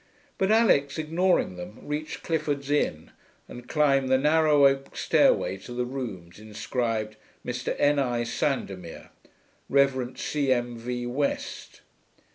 But Alix, ignoring them, reached Clifford's Inn, and climbed the narrow oak stairway to the rooms inscribed: MR. N. I. SANDOMIR, REV. C. M. V. WEST.